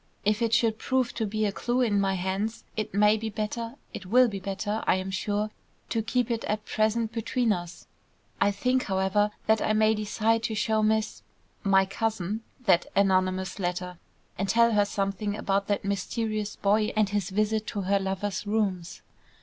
If it should prove to be a clue in my hands, it may be better, it will be better, I am sure, to keep it at present between us two. I think, however, that I may decide to show Miss my cousin that anonymous letter, and tell her something about that mysterious boy and his visit to her lover's rooms."